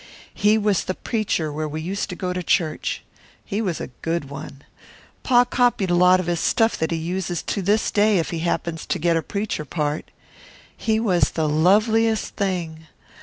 He was the preacher where we used to go to church. He was a good one. Pa copied a lot of his stuff that he uses to this day if he happens to get a preacher part. He was the loveliest thing.